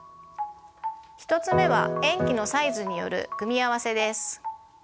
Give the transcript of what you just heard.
１つ目は塩基のサイズによる組み合わせです。